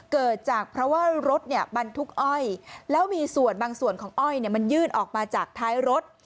เกิดจากเพราะว่ารถเนี่ยบรรทุกอ้อยแล้วมีส่วนบางส่วนของอ้อยมันยื่นออกมาจากท้ายรถ